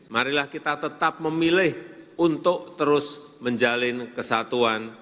marilah kita tetap memilih untuk terus menjalin kesatuan